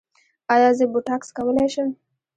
ایا زه بوټاکس کولی شم؟